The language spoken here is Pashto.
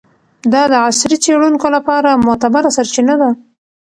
دا د عصري څیړونکو لپاره معتبره سرچینه ده.